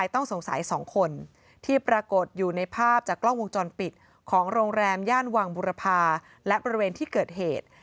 ต้องสงสัย๒คนที่ปรากฏอยู่ในภาพจากกล้องวงจรปิดของโรงแรมย่านวังบุรพาและบริเวณที่เกิดเหตุ